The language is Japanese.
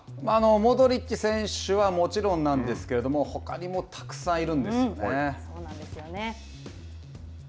モドリッチ選手はもちろんなんですけれども、ほかにもたくさんいるんですよね。